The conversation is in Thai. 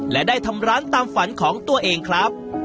และได้ทำร้านตามฝันของตัวเองครับ